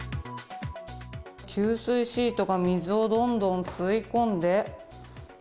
吸水シートが水をどんどん吸い込んで。